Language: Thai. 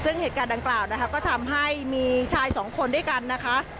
ซึ่งเหตุการณ์ดังกล่าวนะคะก็ทำให้มีชายสองคนด้วยกันนะคะ